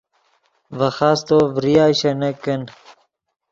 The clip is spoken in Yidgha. ڤے خاستو ڤریا شینک کن